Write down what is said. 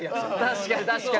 確かに確かに。